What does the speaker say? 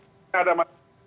tidak ada masalah